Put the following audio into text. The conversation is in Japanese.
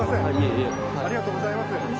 ありがとうございます。